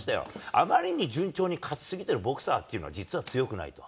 あまりに順調に勝ち過ぎてるボクサーっていうのは、実は強くないと。